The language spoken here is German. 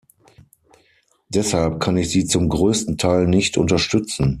Deshalb kann ich sie zum größten Teil nicht unterstützen.